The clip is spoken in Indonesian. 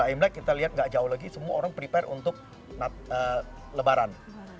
imlek kita lihat nggak jauh lagi semua orang prepare untuk lebaran